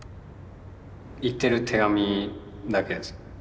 行ってる手紙だけですね。